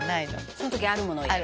「その時あるものを入れる」